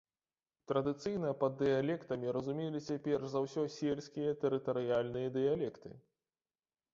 Традыцыйна пад дыялектамі разумеліся перш за ўсё сельскія тэрытарыяльныя дыялекты.